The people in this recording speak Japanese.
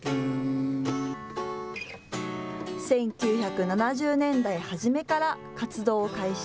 １９７０年代初めから活動を開始。